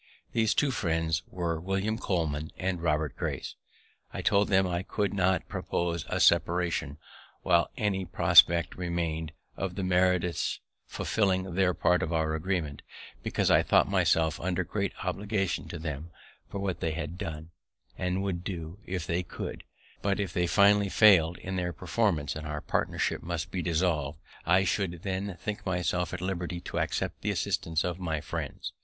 These two friends were William Coleman and Robert Grace. I told them I could not propose a separation while any prospect remain'd of the Meredith's fulfilling their part of our agreement, because I thought myself under great obligations to them for what they had done, and would do if they could; but, if they finally fail'd in their performance, and our partnership must be dissolv'd, I should then think myself at liberty to accept the assistance of my friends.